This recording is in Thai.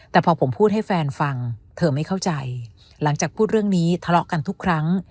แต่พอผมพูดให้แฟนฟังเธอไม่เข้าใจหลังจากพูดเรื่องนี้ทะเลาะกันทุกครั้ง